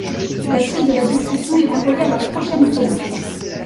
La suite de la discussion est renvoyée à la prochaine séance.